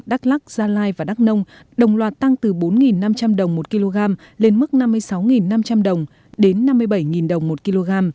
đắk lắc gia lai và đắk nông đồng loạt tăng từ bốn năm trăm linh đồng một kg lên mức năm mươi sáu năm trăm linh đồng đến năm mươi bảy đồng một kg